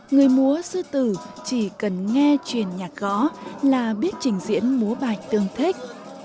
người múa sư tử chỉ cần nghe truyền nhạc gõ là biết trình diễn múa bài tương thích